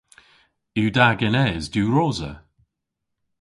Yw da genes diwrosa?